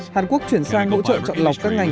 hàn quốc chuyển sang hỗ trợ chọn lọc các ngành